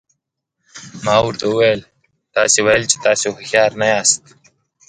ما ورته وویل تاسي ویل چې تاسي هوښیار نه یاست.